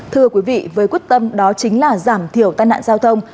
thưa quý vị với quyết tâm đó chính là giảm thiểu tai nạn giao thông